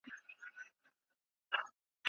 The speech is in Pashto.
غږ د ده د پوهې دروازې په وروۍ وډبولې.